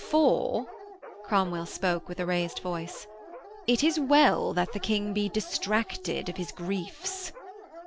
'For,' Cromwell spoke with a raised voice, 'it is well that the King be distracted of his griefs.'